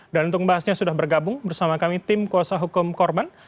dan untuk membahasnya sudah bergabung bersama kami tim kuasa hukum korban